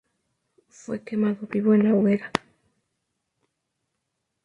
Fue quemado vivo en la hoguera.